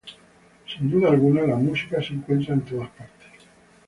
Sin duda alguna, la música se encuentra en todas partes.